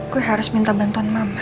gue harus minta bantuan mama